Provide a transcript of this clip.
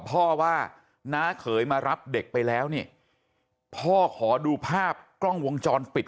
พ่อว่าน้าเขยมารับเด็กไปแล้วนี่พ่อขอดูภาพกล้องวงจรปิด